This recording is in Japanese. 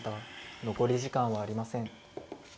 残り時間はありません。